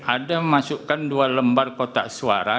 ada memasukkan dua lembar kotak suara